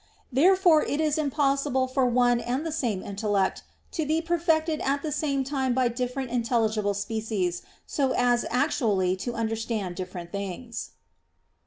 Therefore it is impossible for one and the same intellect to be perfected at the same time by different intelligible species so as actually to understand different things.